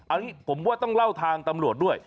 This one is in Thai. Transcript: อันนี้ผมว่าต้องเล่าทางตำรวจด้วย